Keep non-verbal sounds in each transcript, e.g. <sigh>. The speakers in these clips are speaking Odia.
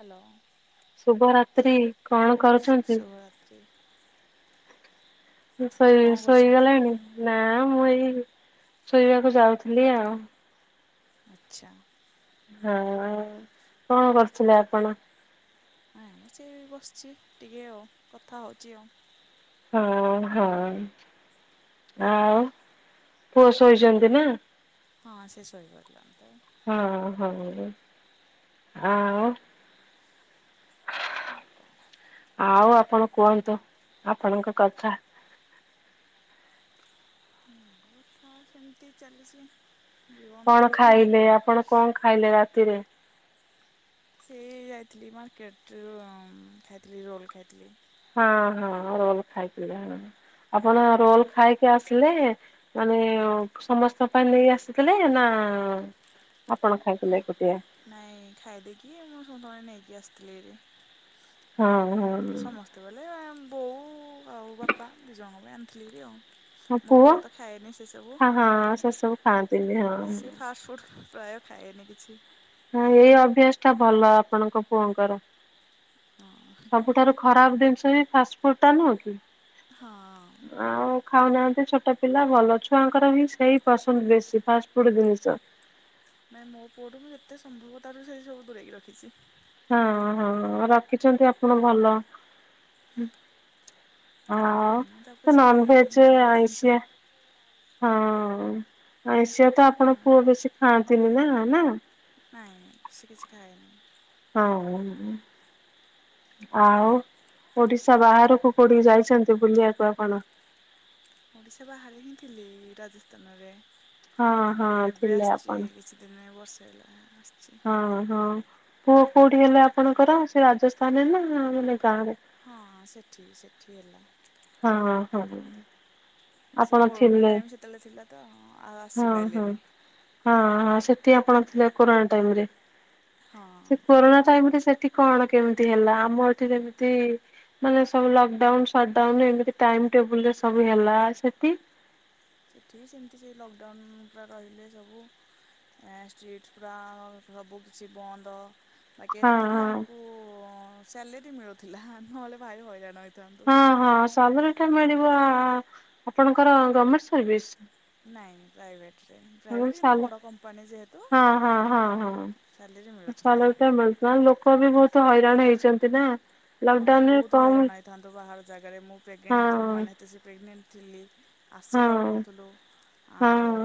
ହ୍ୟାଲୋ। ଶୁଭରାତ୍ରି କଣ କରୁଛନ୍ତି। କି। ଶୋଇ କ'ଣ କରୁଛନ୍ତି ଶୋଇଗଲେଣି ନା ମୁଁ ଏଇ ଶୋଇବାକୁ ଯାଉଥିଲି ଆଉ। ଆଚ୍ଛା। ହଁ କଣ କରୁଥିଲେ ଆପଣ? ନାଇଁ ମ ସେ ବସିଛି ଟିକେ ଆଉ କଥା ହଉଛି ଆଉ। ହଁ ହଁ ଆଉ ପୁଅ ଶୋଇଛନ୍ତି ନା। ହଁ ସେ ସୋଇ ପଡିଲାଣି ତ। ହଁ ହଁ ଆଉ ଆଉ କହ। ଆଉ ଆପଣ କୁହନ୍ତୁ ଆପଣଙ୍କ କଥା। ହଁ ସେମିତି ଚାଲିଛି। ଜୀବନ କଣ ଖାଇଲେ ଆପଣ କଣ ଖାଇଲେ ରାତିରେ। ସେ ଯାଇଥିଲି ମାର୍କେଟରୁ ଖାଇଥିଲି ରୋଲ୍ ଖାଇଥିଲି। ହଁ ହଁ ରୋଲ୍ ଖାଇଥିଲେ ଆପଣ ରୋଲ ଖାଇକି ଆସିଲେ। ମାନେ ସମସ୍ତଙ୍କ ପାଇଁ ନେଇ ଆସିଥିଲେ ନା ଆପଣ ଖାଇଥିଲେ ଏକୁଟିଆ। ନାଇଁ ଖାଇ ଦେଇକି ମୁଁ ସମସ୍ତଙ୍କ ପାଇଁ ନେଇକି ଆସିଥିଲି ଭାରି। ହଁ ହଁ। ସେତେବେଳେ ବୋଉ ଆଉ ବାପା ଦୁଇଜଣଙ୍କ ପାଇଁ ଆଣିଥିଲି ଭାରି ଆଉ। ମୋ ପୁଅ ତ ଖାଏନି ସେ ସବୁ ହଁ ସେ ସବୁ ଖାଆନ୍ତିନି ହଁ। ସେ ଫାଷ୍ଟ ଫୁଡ ପ୍ରାୟ ଖାଏନି କିଛି। ହଁ ଏଇ ଅଭ୍ୟାସ ଟା ଭଲ ଆପଣଙ୍କ ପୁଅଙ୍କର। ହଁ। ସବୁଠାରୁ ଖରାପ ଜିନିଷ ବି ଫାଷ୍ଟଫୁଡ଼୍ ଟା ନୁହଁ କି। ହଁ। ଆଉ ଖାଉନାହାନ୍ତି ଛୋଟ ପିଲା ଭଲ ଛୁଆଙ୍କର ହିଁ ସେଇ ପସନ୍ଦ ବେଶୀ ଫାଷ୍ଟ ଫୁଡ ଜିନିଷ। ନାଇଁ ମୋ ପୁଅଠୁ ଯେତେ ସମ୍ଭବ ତାର ସେ ସବୁ ଦୂରେଇକି ରଖିଛି। ହଁ ହଁ ରଖିଛନ୍ତି ଆପଣ ଭଲ। ମୁଁ ତାକୁ ହଁ ସେଇ ନାଂଭେଜେ ଘର ଜିନିଷ ଆଇସିଆ। ହଁ ଆଏଇସିଆ ତ ଆପଣ ହଁ ପୁଅ କ ବେଶୀ ଖାଆନ୍ତିନି ନା ନା। ନାଇଁ ନାଇଁ ସେ କିଛି ଖାଏନି। ହଁ। ଆଉ ଓଡିଶା ବାହାରକୁ କୋଉଠି ଯାଇଚନ୍ତି ବୁଲିଆକୁ ଆପଣ? ଓଡିଶା ବାହାରେ ହିଁ ଥିଲି ରାଜସ୍ଥାନରେ ହଁ ହଁ ଏବେ ଥିଲେ ଆପଣ ଆସିଚି। ତିନି ବର୍ଷ ହେଲା ଆସିଚି। ହଁ ହଁ ପୁଅ କୋଉଠି ହେଲେ ଆପଣଙ୍କର ସେ ରାଜସ୍ଥାନରେ ନା ମାନେ ଗାଁରେ? ହଁ ସେଠି ସେଠି ହେଲା। ହଁ ହଁ। ସେ ଆପଣ କୋରୋନା ଥିଲେ ଟାଇମ ସେତେବେଳେ ଥିଲା ତ ଆଉ ହଁ ହଁ ଆସିପାଇଲେନି। ହଁ ହଁ ସେଠି ଆପଣ ଥିଲେ କୋରୋନା ଟାଇମରେ ହଁ ସେ କୋରୋନା ଟାଇମରେ ସେଠି କଣ କେମିତି ହେଲା ଆମ ଏଠି ଯେମତି ମାନେ ସବୁ ଲକଡାଉନ୍, ସଟଡାଉନ୍ ଏମତି ଟାଇମ୍ ଟେବୁଲରେ ସବୁ ହେଲା ସେଠି ସେଠି ସେମିତି ସେ ଲକଡାଉନ ପୁରା ରହିଲେ ସବୁ। ଏଁ ଷ୍ଟ୍ରିଟ୍ ପୁରା ସବୁ କିିଛି ବନ୍ଦ। ବାକି ହଁ ଏତିକି ହଁ ଆଙ୍କୁ ସ୍ୟାଲେରି ମିଳୁଥିଲା ନହେଲେ ଭାରି ହଇରାଣ ହୋଇଥାନ୍ତୁ। ହଁ ହଁ ସବୁ ରିଟନ ମିଳିବ ଆପଣଙ୍କର ଗମେଣ୍ଟ ସର୍ଭିସ? ନାଇଁ ପ୍ରାଇଭେଟରେ ହଁ ପ୍ରାଇଭେଟ କିନ୍ତୁ ସାଲ ବଡ଼ କମ୍ପାନୀ ଯେହେତୁ ହଁ ହଁ ହଁ ସାଲେରୀ ମିଳୁଥିଲା। ନା ଲୋକ ବି ବହୁତ ହଇରାଣ ହେଇଚନ୍ତି ନା। ନହେଲେ ଲକଡାଉନ ରେ ବହୁତ କମ ହଇରାଣ ହେଇଥାନ୍ତୁ ବାହାର ଜାଗାରେ ମୁଁ ପ୍ରେଗନେଣ୍ଟ ହଁ ମାନେ ତ ସେ ପ୍ରେଗନେଣ୍ଟ ଥିଲି। ଆସି ହଁ ପାରୁନଥିଲୁ ଆଉ ହଁ।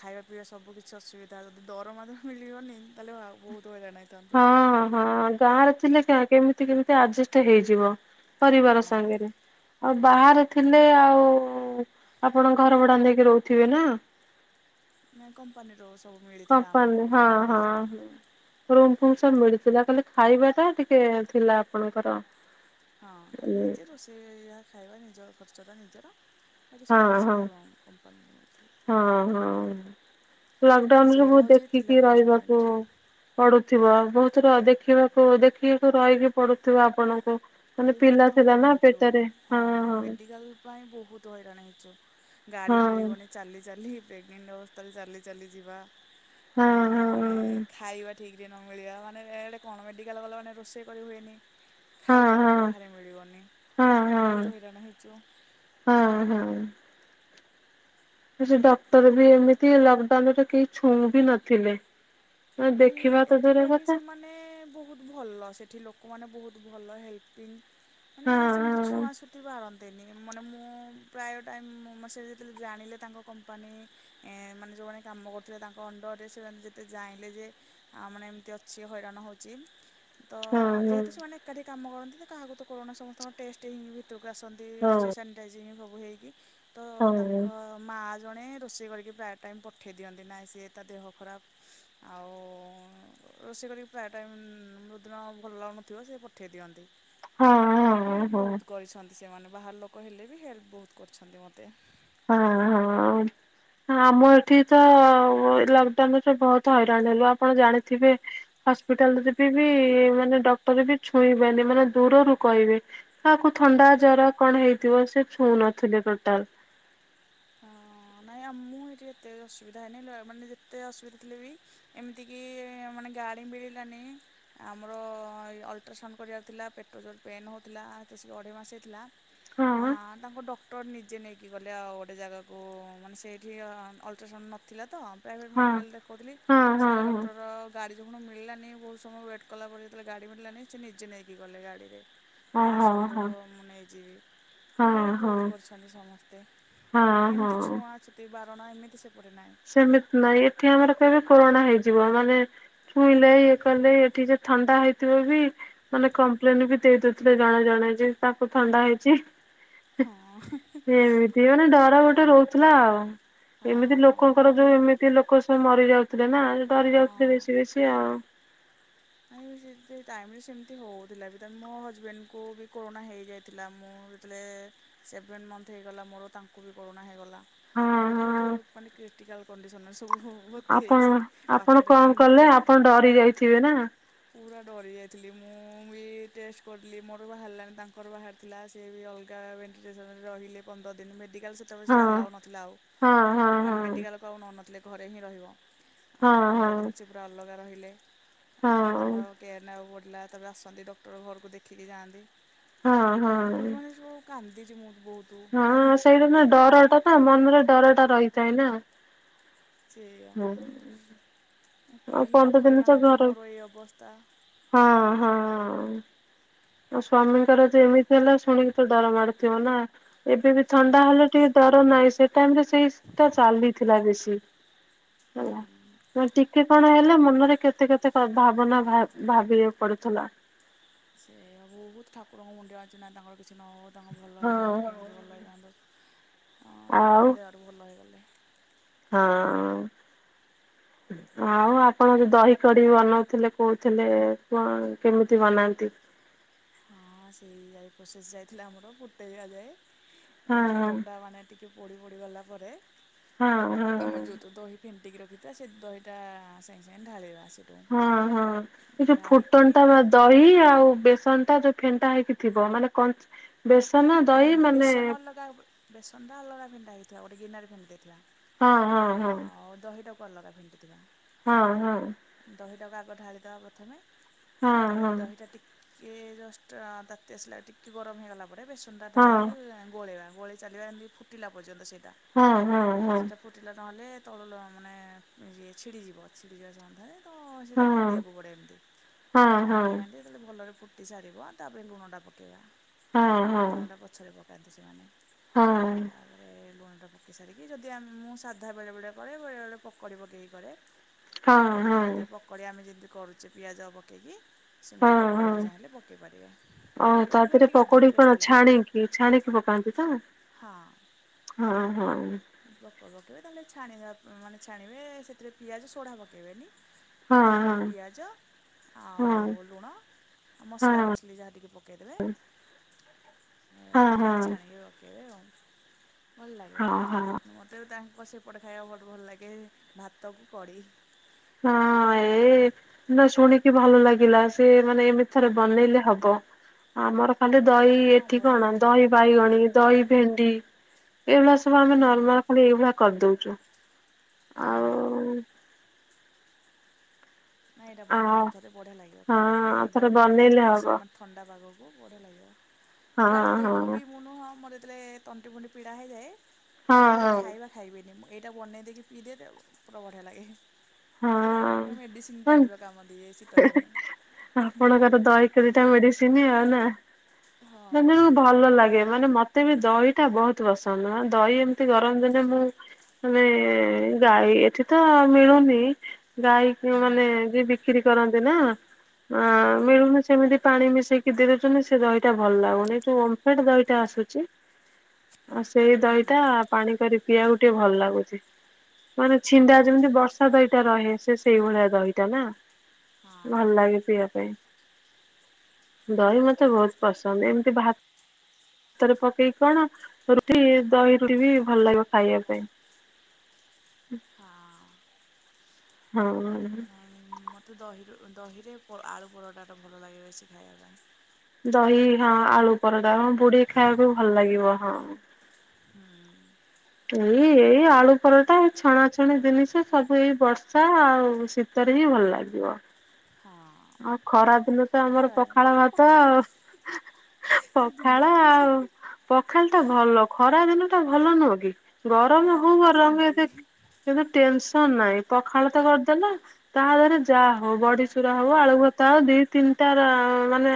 ଖାଇବା ପିଇବା ସବୁ କିଛି ଅସୁବିଧା ଯଦି ଦରମା ତ ମିଳିବନି ତାହେଲେ ବହୁତ ହଇରାଣ ହେଇ ହଁ ହଁ ଗାଁରେ ଥିଲେ କେମିତି କେମିତି ଆଡଜେଷ୍ଟ ହେଇଯିବ। ପରିବାର ହଁ ସାଙ୍ଗରେ। ଆଉ ବାହାରେ ଥିଲେ ଆଉ ଆପଣ ଘର ଭଡାନେଇକି ରହୁଥିବେ ନା। ମାନ କମ୍ପାନୀରୁ ସବୁ ମିଳିଥିଲା ଆମକୁ ରୁମ୍ ମିଳିଥିଲା। ରୁମ୍ ଫୁମ୍ ସବୁ ମିଳିଥିଲା ଖାଲି ଖାଇବା ଟା ଟିକେ ଥିଲା ଆପଣଙ୍କର। ହଁ ଖାଲି ନିଜେ ରୋଷେଇ ଆ ଖାଇବା ନିଜ ଖର୍ଚ୍ଚଟା ନିଜର ବାକି ହଁ ସବୁକିଛି ହଁ <unintelligible> କମ୍ପାନୀ। ହଁ ହଁ ସେଇଟା ଲକଡାଉନରୁ ହେଉଛି ଥିଲା ଦେଖିକି ପ୍ଲସ୍ ପଏଣ୍ଟ। ରହିବାକୁ ପଢୁଥିବ ବହୁତ ର ଦେଖିବାକୁ ଦେଖିବାକୁ ରହିକି ପଡୁଥିବ ଆପଣଙ୍କୁ ମାନେ ବହୁତ ପିଲା ଥିଲା ହଇରାଣ ନା ପେଟରେ ହଁ ହଁ। ସେଥିପାଇଁ ବହୁତ ହଇରାଣ ହେଇଚୁ ଗାଡି ହଁ ମିଳିବନି ଚାଲି ଚାଲି ପ୍ରେଗନେଣ୍ଟ ଅବସ୍ଥାରେ ଚାଲି ଚାଲି ଯିବା। ହଁ ଆ ହଁ ମାନେ ହଁ। ଖାଇବା ଠିକ୍ କି ନ ମିଳିବା ମାନେ କଣ ମେଡିକାଲ୍ ଗଲ ମାନେ ରୋଷେଇ କରିହୁଏନି ହଁ ଖାଇବା କେଉଁଠି ହଁ ବାହାରେ ମିଳିବନି ହଁ ବହୁତ ହଁ ହଇରାଣ ହେଇଚୁ ହଁ ହଁ। ସେ ଡକ୍ଟର ବି ଏମିତି ଲକଡାଉନ ରେ କେହି ଛୁଉଁ ବି ନଥିଲେ ଦେଖିବା ତ ଦୂରେ କଥା। ମାନେ ବହୁତ ଭଲ ସେଠି ଲୋକମାନେ ବହୁତ ଭଲ ହେଲ୍ପିଙ୍ଗ ମାନେ ସେମିତି ହଁ ଛୁଆଁ ଛୁତି ବାରନ୍ତିନି। ମାନେ ମୁଁ ପ୍ରାୟ ଟାଇମ୍ ମ ସେ ଯେତେବେଳେ ଜାଣିଲେ ତାଙ୍କ କମ୍ପାନୀ ଏ ମାନେ ଯୋଉମାନେ କାମ କରୁଥିବେ ତାଙ୍କ ଅଣ୍ଡରରେ ସେମାନେ ଯେତେ ଯାଇଁ କହିଲେଯେ ଆ ମାନେ ଏମିତି ଅଛି ହଇରାଣ ହଉଚି ତ ହଁ ହଁ ଯେହେତୁ ସେମାନେ ଏକାଠି କାମ କରନ୍ତି କାହାକୁ ତ କରୋନା ସମସ୍ତଙ୍କ ଟେଷ୍ଟ ହିଁ ଭିତରକୁ ଆସନ୍ତି ସେ ହଁ। ସାନି ଟାଇଜଙ୍ଗ୍ ସବୁ ହେଇକି ତ ହଉ ହଉ ତାଙ୍କ ମା ଜଣେ ରୋଷେଇ କରିକି ପ୍ରାୟ ଟାଇମ୍ ପଠେଇ ଦିଅନ୍ତି ନାଇଁ ସିଏ ତା ଦେହ ଖରାପ୍ ଆଉ ରୋଷେଇ କରିକି ପ୍ରାୟ ଟାଇମ୍ ଯୋଉଦିନ ଭଲ ଲାଗୁନଥିବ ସେ ପଠେଇ ଦିଅନ୍ତି। ହଁ ହଁ ହେଲ୍ପ ହଁ ବହୁତ୍ କରିଚନ୍ତି ସେମାନେ ବାହାର ଲୋକ ହେଲେ ବି ହେଲ୍ପ ବହୁତ୍ କରିଛନ୍ତି ମତେ। ହଁ ହଁ। ଆମ ଏଠିତ ଲଙ୍ଗଡାଉନରେ ବହୁତ୍ ହଇରାଣ ହେଲୁ ଆପଣ ଜାଣିଥିବେ। ହସ୍ପିଟାଲରେ ବି ବି ମାନେ ଡକ୍ଟର ବି ଛୁଇଁବେନି ମାନେ ଦୂରରୁ କହିବେ। କାହାକୁ ଥଣ୍ଡା ଜର କଣ ହେଇଥିବ ସେ ଛୁଁ ନଥିଲେ ଟୋଟାଲ୍। ହଁ ନାଇଁ ମୁଁ ଏଠି ଏତେ ଅସୁବିଧା ହେଇନି ମାନେ ଯେତେ ଅସୁବିଧା ଥିଲେ ବି ଏମିତି କି ମାନେ ଗାଡ଼ି ମିଳିଲାନି ଆମର ଅଲଟ୍ରାସାଉଣ୍ଡ କରିବାର ଥିଲା ପେଟ ଜୋରରେ ପେନ୍ ହେଉଥିଲା ତ ଅଢ଼େଇ ମାସ ହେଇଥିଲା। ହଁ ଆ ତାଙ୍କୁ ଡକ୍ଟର ନିଜେ ନେଇକି ଗଲେ ଆଉ ଗୋଟେ ଜାଗାକୁ ମାନେ ସେଇଠି ଅଲଟ୍ରାସାଉଣ୍ଡ ନଥିଲା ତ ପ୍ରାଇଭେଟ୍ ହଁ। ମେଡ଼ିକାଲ୍ ଦେଖଉଥିଲି ହଁ ସେ ହଁ ହଁ ଡକ୍ଟର ଗାଡ଼ି ଯୋଭଳି ମିଳିଲାନି ବହୁତ୍ ସମୟ ୱେଟ୍ କଲା ପରେ ଯେତେବେଳେ ଗାଡ଼ି ମିଳିଲାନି ସେ ନିଜେ ନେଇକି ଗଲେ ଗାଡ଼ିରେ। ହଁ ନାଇଁ ହଁ ଆସନ୍ତୁ ହଁ ମୁଁ ନେଇଯିବି ହଁ ହେଲ୍ପ ବହୁତ୍ ହଁ। କରିଚନ୍ତି ସମସ୍ତେ। ହଁ ଏମିତି ହଁ ଛୁଆଁ ଛୁନ୍ତି ବାରଣ ଏମିତି ସେପଟେ ନାହିଁ। ସେମିତି ନାହିଁ ଏଠି ଆମର କହିବେ କୋରୋନା ହେଇଯିବ ମାନେ ଛୁଇଁଲେ ଇଏ କଲେ ଏଠି ସେ ଥଣ୍ଡା ହେଇଥିବ ବି ମାନେ କମ୍ପ୍ଲେନ ବି ଦେଇଦେଉଥିଲେ ଜଣେ ଜଣେ ଯେ ତାକୁ ଥଣ୍ଡା ହେଇଚି। ହଁ। ଏମିତି ମାନେ ଡର ଗୋଟେ ରହୁଥିଲା ଆଉ। ଏମିତି ହଁ। ମୋ ଲୋକଙ୍କର ଯୋଉ ଏମିତି ଲୋକ ସବୁ ମରି ଯାଉଥିଲେନା ସେଡରି ହଁ। ଯାଉଥିଲେ ବେଶୀ ବେଶୀ ଆଉ। ନାଇବେ ସେମିତି ଟାଇମ୍ ରେ ସେମିତି ହଉଥିଲା ବି ଦେନ୍ ମୋ ହଜବେଣ୍ଡକୁ ବି କରୋନା ହେଇଯାଇଥିଲା ମୁଁ ଯେତେବେଳେ ସେଭେନ୍ ମନ୍ଥ ହେଇଗଲା ମୋର ତାଙ୍କୁ ବି କରୋନା ହୋଇଗଲା। ହଁ ବହୁତ୍ ହଁ ମାନେ କ୍ରିଟିକାଲ୍ କଣ୍ଡିସନରେ ସବୁ ମତେ ହେଇଚି ପାଖରେ କେହିନଥିଲେ। ଡରିଯାଇ ଥିବେ ନା। ପୁରା ଡରି ଯାଇଥିଲି ମୁଁ ବି ଟେଷ୍ଟ କରିଲି ମୋର ବାହାରିଲାନି ତାଙ୍କର ବାହାରି ଥିଲା ସେ ବି ଅଲଗା ଭେଣ୍ଟିଲେସନରେ ରହିଲେ ପନ୍ଦର ଦିନ ମେଡ଼ିକାଲ୍ ସେ ସେତେବେଳେ ସିଏ ହଁ ଆଲାଉ ନଥିଲା ଆଉ ହଁ ହଁ ଆମାନେ ହଁ। ମେଡିକାଲ୍ ଘରକୁ ନଉନଥିଲେ ଘରେ ହିଁ ରହିବ ହଁ ଆଉ ହଁ ପନ୍ଦର ଦିନ ସେ ପୁରା ଅଲଗା ରହିଲେ। ହଁ ଆଉ ତାଙ୍କର କେୟାର ନେବାକୁ ପଡ଼ିଲା ତାପରେ ଆସନ୍ତି ଡକ୍ଟର ଘରକୁ ଦେଖିକି ଯାଆନ୍ତି। ହଁ ହଁ। ବହୁତ୍ ମାନେ ସବୁ କାନ୍ଦିଚି ମୁଁ ବହୁତ୍ ହଁ ସେଇଟାନା ଡରଟାନା କେଉଁଭଳିଆ ମନରେ ଡର ଟା ରହିଥାଏ ନା। ସେଇଆ। ହଁ ଆଉ କେହି ପନ୍ଦର ପାଖରେ ଦିନ ତ ନାହାଁନ୍ତି ଘର ମୋର ଏ ଅବସ୍ଥା। ହଁ ହଁ। ଆଉ ସ୍ଵାମୀଙ୍କର ଯେ ଏମିତି ହେଲେ ଶୁଣିକିତ ଡର ମାଡ଼ୁଥିବନା ଏବେ ବି ସେ ଥଣ୍ଡା ହେଲେ ଟିକେ ଡର ନାହିଁ ସେ ଟାଇମିରେ ସେଇଟା ଚାଲିଥିଲା ବେଶୀ ହୁଁ ହେଲା ନା ଟିକେ କଣ ହେଲେ ମନରେ କେତେ କେତେ ଭାବନା ଭାବି ଭାବିବାକୁ ପଡ଼ୁଥିଲା। ସେଇୟା ବହୁତ୍ ଠାକୁରଙ୍କୁ ମୁଣ୍ଡିଆ ମାରିଚି ନାଇଁ ତାଙ୍କର କିଛି ନ ହଉ ତାଙ୍କ ଭଲ ହଁ। ହେଇଯାଆନ୍ତୁ କେମି ଭଲ ହେଇଯାଆନ୍ତୁ ହଁ ଆଉ ଭଗବାନଙ୍କ ଦୟାରୁ ଭଲ ହେଇଗଲେ। ହଁ। ଆଉ ଆପଣ ଯୋଉ ଦହି କଡ଼ି ବନଉଥିଲେ କହୁଥିଲେ କଣ କେମିତି ବନାନ୍ତି? ହଁ ସେଇ ଯାଇ ପ୍ରୋସେସ ଯାଇଥିଲା ଆମର ଫୁଟେଇ ଦିଆ ଯାଏ ହଁ ଫୁଟଣ ଟା ମାନେ ଟିକେ ପୋଡ଼ି ପୋଡ଼ି ଗଲା ପରେ ହଁ ହଁ। ଆମର ହଁ। ଯଉତ ଦହି ଫିଣ୍ଟିକି ରଖିଥିବା ସେ ଦହିଟା ସାଙ୍ଗେ ସାଙ୍ଗେ ଢାଳିବା ଆସି। ହଁ ହଁ କି ଯଉ ଫୁଟଣ ଟା ଦହି ଆଉ ବେସନ ଟା ଯୋଉ ଫେନ୍ଟା ହେଇକି ଥିବ ମାନେ କଣ ନାଇଁ ବେସନ ଅଲଗା ବେସନଟା ଅଲଗା ଫେଣ୍ଟା ହେଇଥିବା ଗୋଟେ ଗିନାରେ ଫେଣ୍ଟି ହଁ ହଁ ଦେଇଥିବା। ଆଉ ଦହିଟାକୁ ଅଲଗା ଫେଣ୍ଟିଥିବା। ହଁ ହଁ। ଦହିଟାକୁ ଆଗ ଢାଳିିଦବା ପ୍ରଥମେ ହଁ ତାପରେ ହଁ ଦହିଟା ଟିକେ ଟିକେ ଜଷ୍ଟ ତାତି ଆସିଲା ଟିକେ ଗରମ ହେଇଗଲା ପରେ ବେସନ ଟା ହଁ ଢାଳିକି ଗୋଳେଇବା, ଗୋଲେଇକି ଚାଲିବା ଏମତି ଫୁଠିଲା ପର୍ଯ୍ୟନ୍ତ ସେଇଟା। ହଁ ହଁ ହଁ। ଟିଲ ନହେଲେ ତଳୁ ମାନେ ଏ ଛିଡ଼ିଯିବ ଛିଡ଼ିଯିବ ସମ୍ବନ୍ଧରେ ତ ସେଇଟା ଘାଣ୍ଟିିବାକୁ ହଁ ପଡେ ଏମିତି ହଁ ହଁ। ଘାଣ୍ଟି ଘାଣ୍ଟି ତା ଭଲରେ ଫୁଟି ସାରିବ ତା ପରେ ଲୁଣଟା ପକେଇବା। ହଁ ହଁ ଲୁଣଟା ପଛରେ ପକାନ୍ତି ସେମାନେ। ହଁ। ତାପରେ ଲୁଣଟା ପକେଇ ସାରିକି ଯଦି ଆ ମୁଁ ସାଧା ବେଳେବେଳେ କରେ ବେଳେବେଳେ ପକୁଡି ପକେଇ କରେ। ହଁ <unintelligible> ପକୋଡ଼ି ଆମେ ଯେମିତି କରୁଛେ ପିଆଜ ପକେଇକି ସେମିତି ହଁ ପକୋଡି ବି ହଁ। ଚାହିଁଲେ ପକାଇ ପାରିବା ଓ ପକୋଡ଼ ତା ପକେଇବା ଦେହରେ ଟିକେ ଅଧିକା ପକୋଡି କଣ ଟେଷ୍ଟ। ଲାଗେ ଛାଣିକି ଛାଣିକି ପକାନ୍ତି ତ ହଁ ହଁ। ପୋକ ପକେଇବେ ତାହେଲେ ଛାଣିବେ ମାନେ ଛାଣିବେ ସେଥିରେ ପିଆଜ ସୋଢା ପକେଇବେନି। ହଁ ସେଥିରେ ହଁ ଖାଲି ପିଆଜ ହଁ ଆଉ ଲୁଣ ହଁ ମସଲା ମସଲି ଯାହା ଟି ପ ଦେଇଦେବେ। ହଁ ହଁ ପକେଇକି ଛାଣିକି ରକେଇବେ ଆଉ ଭଲ ଲାଗେ ହଁ ବହୁତ ହଁ। ଭାତ ମତେ ତାଙ୍କ ସେ କପଟ ଖାଇବା ବହୁଟ ଭଲ ଲାଗେ ଭାତକୁ କଢି। ହଁ ଏଇ ନା ଶୁଣିକି ଭଲ ଲାଗିଲା ସେ ମାନେ ଏମିତି ଥରେ ବନେଇଲେ ହବ ଆମର ତାହଲେ ଦହି ହଁ ଏଠି ବଢ଼ିଆ କଣ ଲାଗିବ ଦହି ବାଇଗଣୀ ଦହି ଭେଣ୍ଡି ଏଇ ମାସ ପା ଆମେ ହୁଁ ନର୍ମାଲ ଖାଲି ଏଇଭଳିଆ କରିଦଉଛୁ। ଆଉ ହଁ। ନାଇଁ ଏଇଟା ଆ ବନାନ୍ତୁ ଥରେ ବଢିଆ ଲାଗିବ ଖାଇବା ପାଇଁ ହଁ ଥରେ ଗରମ ଗରମ ବନେଇଲେ ହବ <unintelligible> ମା ଥଣ୍ଡା ପାଗକୁ ବଢ଼ିଆ ଲାଗିବ ହଁ ପ୍ରାୟ ଦେହ ବି ହଁ ମୁଁ ନୁହଁ ମୋରେ ଯେତେବେଳେ ତଣ୍ଟି ପଣ୍ଟି ପିଡ଼ା ହେଇଯାଏ ମୁଁ ହଁ କଣ କରି ହଁ। ଖାଇବା ଖାଇବେନି ମୁଁ ଏଇଟା ବନେଇ ଦେଇକି ପିଇଦିଏ ପୁରା ବଢ଼ିଆ ଲାଗେ ମର ମେଡ଼ିସିନ୍ ହଁ ଟାଇପର କାମ ଦିଏ ଶୀତଦିନେ। ଆପଣଙ୍କର ଦହି ତିନିଟା ମେଡିସିନ ଆଉ ନା। ହଁ। ମାନେ ହଁ ଭଲ ଲାଗେ ମାନେ ମତ୍ ତେବି ଦହିଟା ବହୁତ ପସନ୍ଦ ଦହି ଏମିତି ଗରମ ଦିନେ ମୁଁ ମାନେ ଗାଈ ଏଠି ତ ମିଳୁନି। ଗାଈ ଘିଅ ମାନେ ଯିଏ ବିକ୍ରି କରନ୍ତି ନା ଆ ହୁଁ ମିଳୁନ ସେମିତି ପାଣି ମିଶେଇକି ଦେଇ ଦଉଛନ୍ତି ସେ ଦହିଟା ଭଲ ଲାଗୁନି ଯୋଉ ଓମ୍ଫେଡ ଦହିଟା ଆସୁଛି। <inaudible> ଆଉ ସେଇ ଦହିଟା ପାଣି କରି ପିଇବାକୁ ଟିକେ ଭଲ ଲାଗୁଛି ମାନେ ଛିଣ୍ଡା ଯେମିତି ବର୍ଷା ଦଇ ରହେ ସେ ସେଇଭଳିଆ ଦହିଟା ନା। ହଁ। ଭଲ ଲାଗେ ପିଇବା ପାଇଁ ଦହି ମତେ ବହୁତ ପସନ୍ଦ ଏମିତି ଭା ତରେ ପକେଇକି କଣ ରୁଟି ଦହି ରୁଟି ବି ଭଲ ଲାଗିବ ଖାଇବା ପାଇଁ। ହଁ। ହଁ। ନାଇଁ ମୋତେ ଦହିରୁ ଦହିରେ ଆଳୁ ପରଟାଟା ଭଲ ଲାଗେ ବେଶୀ ଖାଇବା ପାଇଁ ଦହି ହଁ ଆଳୁ ପରଟା ହଁ ବୁଢେଇକି ଖାଇବାକୁ ଭଲ ଲାଗିବ ହଁ। ହଁ। ଏଇ ଏଇ ଆଳୁ ପରଟା ଏଇ ଛଣାଛଣି ଜିନିଷ ସବୁ ଏଇ ବର୍ଷା ଆଉ ଶୀତ ସିତରେ ହିଁ ଭଲ ଲାଗିବ। ହଁ ଆଉ ଖରା ଦିନ ତ ଆମର ଖରାଦିନ ତ ପଖାଳ ଆମ ଭାତ ଆଉ ପଖାଳ। ସେ ପଖାଳ ଜିନ୍ଦାବାଦ ଆଉ ପଖାଳ ଟା ଭଲ ଖରା ଦିନ ଟା ଭଲ ନୁହଁ କି? ତା ଗରମ ହଉ ଆତ୍ମା ବରଙ୍ଗ <inaudible> ଶାନ୍ତି। ଦେ କିନ୍ତୁ ଟେନସନ ନାହିଁ ପଖାଳ ତ କରିଦେଲା ତାହା ଦେହରେ ଯାହା ହଉ ବଢିଚୁର ଆଳୁ ଭତା ହବ ଦି ତିନିଟା ମାନେ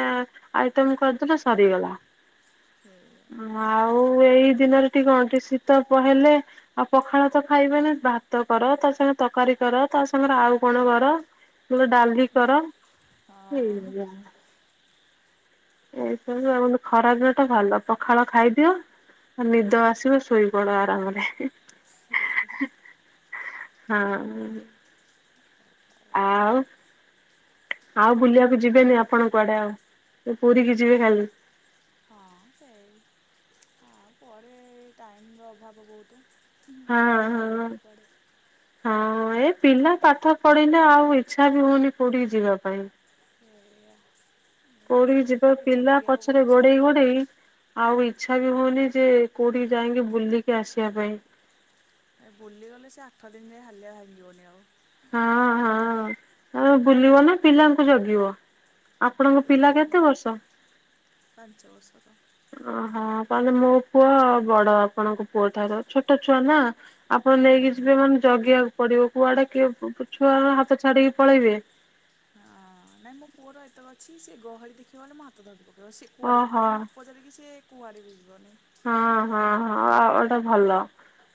ଆଇଟମ କରିଦେଲେ ସରିଗଲା। ହୁଁ। ଆଉ ଏଇ ଦିନରେ ଟିକେ କଣ ଟିକେ ଶୀତ ହେଲେ ଆଉ ପଖାଳ ତ ଖାଇବେନି ଭାତ କର ତା ସାଙ୍ଗରେ ତରକାରୀ କର ତା ସାଙ୍ଗରେ ଆଉ କଣ କର। ଗେଟେ ଡାଲି ହଁ କର ହେଇ ଏଇସବୁ ଆଉ ଖରା ଦିନ ଟା ଭଲ ପଖାଳ ଖାଇଦିଅ। ଆଉ ନିଦ ଆସିବ ଶୋଇପଡ ଆରାମରେ। <unintelligible> ହଁ। ଆଉ? ଆଉ ବୁଲିବାକୁ ଯିବେନି ଆପଣ କୁଆଡେ ଆଉ ପୁରୀ କିି ଯିବେ ଖାଲି। ହଁ ସେଇ। ହଁ ପରେ। ସେଇ ଟାଇମର ଅଭାବ ବହୁତ। ହୁଁ, ହଁ ଆଉ ହଁ। ଯାଇହବନି କୁଆଡ଼େ ହଁ ଏ ପିଲା ପାଠ ପଢିଲେ ଆଉ ଇଚ୍ଛା ବି ହଉନି ପୋଉଠିକି ଯିବା ପାଇଁ। ଏଇଆ। କୋଠୀ ଯିବ ପିଲା ପଛରେ ପଡ଼ୁଛି ଗୋଡେଇ ଗୋଡେଇ ଆଉ ଇଚ୍ଛା ବି ହଉନି ଯେ କୋଉଠିକି ଯାଇକି ବୁଲିକି ଆସିବା ପାଇଁ। ଏ ବୁଲିଗଲେ ସେ ଆଠ ଦିନ ଯାଏ ହାଲିଆ ଭାଙ୍ଗିିବନି ଆଉ। ହଁ ହଁ ବୁଲିବ ନା ପିଲାଙ୍କୁ ଜଗିବ। ଆପଣଙ୍କ ପିଲା କେତେ ବର୍ଷ? ପାଞ୍ଚବର୍ଷ ର। ଓହଁ ତାହେଲେ ମୋ ପୁଅ ବଡ ଆପଣଙ୍କ ପୁଅ ଠାରୁ ଛୋଟ ଛୁଆ ନା। ଆପଣ ନେଇକି ଯିବେ ମାନେ ଜଗିବାକୁ ପଡିବ କୁଆଡେ କିଏ ଛୁଆ ହାତ ଛାଡିକି ପଳେଇବେ ହଁ ନାଇଁ ମୋ ପୁଅର ଏତେକ ଅଛି ସେ ଗହଳି ଦେଖିବାଲେ ମୋ ହାତ ଧଡ଼ି ପକେଇବ ସେ କୁଆଡେ ଓହୋ ଯେ ମୋତେ ନ ପଚାରିକି ସେ କୁଆଡେବି ଯିବନି। ହଁ ହଁ ହଁ ଆଉ ଗୋଟେ ଭଲ।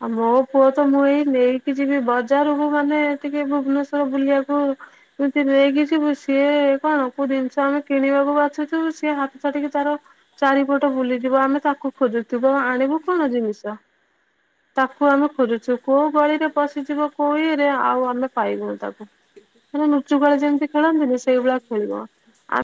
ଆଉ ମୋ ପୁଅ ତ ମୁଁ ଏଇ ନେଇକି ଯିବି ବଜାରକୁ ମାନେ ଟିକେ ଭୁବନେଶ୍ୱର ବୁଲିବାକୁ ଏମିତି ନେଇକି ଯିବୁ ସିଏ କଣ କୋଉ ଜିନିଷ ଆମେ କିଣିବାକୁ ବାଛୁଥିବୁ ସିଏ ହାତ ଛାଟିକି ତାର ଚାରିପଟ ବୁଲିଯିବ ଆମେ ତାକୁ ଖୋଜୁଥିବ ଆଣିବୁ କଣ ଜିନିଷ। ତାକୁ ଆମେ ଖୋଜୁଛୁ କୋଉ ଗଳିରେ ବସିଯିବ କୋଉ ଇରେ ଆଉ ଆମେ ପାଇବୁନି ତାକୁ। ମାନେ କୁଚୁକୁଳା ଯେମିତି ଖେଳନ୍ତିନି ସେଇଭଳିଆ ଖେଳିବ। ପ୍ରାଇ